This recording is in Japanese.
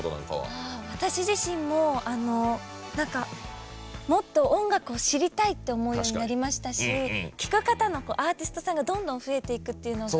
ああ私自身もあの何かもっと音楽を知りたいって思うようになりましたし聴く方のアーティストさんがどんどん増えていくっていうのが。